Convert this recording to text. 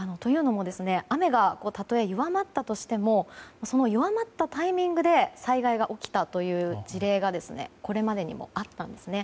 雨がたとえ弱まったとしても弱まったタイミングで災害が起きたという事例がこれまでにもあったんですね。